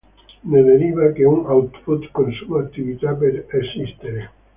Ne deriva che un output consuma attività per esistere.